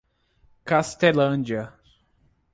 Castelândia